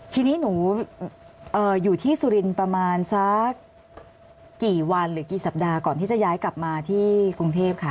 ทีนี้หนูอยู่ที่สุรินทร์ประมาณสักกี่วันหรือกี่สัปดาห์ก่อนที่จะย้ายกลับมาที่กรุงเทพค่ะ